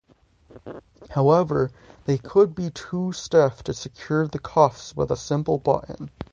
However, they could be too stiff to secure the cuffs with a simple button.